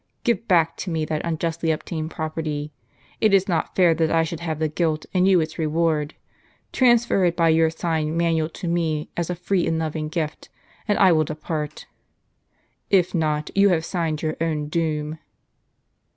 Give back to me that unjustly obtained property; it is not fair that I should have the guilt, and you its reward. Transfer it by your sign manual to me as a free and loving gift, and I will depart. If not, you have signed your own doom."